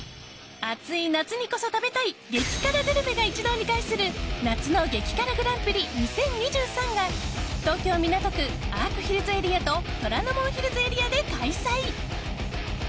暑い夏にこそ食べたい激辛グルメが一堂に会する夏の激辛グランプリ２０２３が東京・港区アークヒルズエリアと虎ノ門ヒルズエリアで開催。